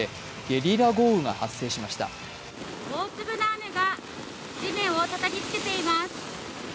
大粒の雨が地面をたたきつけています。